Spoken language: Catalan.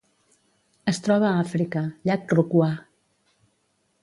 Es troba a Àfrica: llac Rukwa.